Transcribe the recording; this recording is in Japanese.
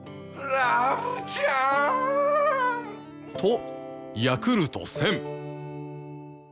ん！とヤクルト１０００！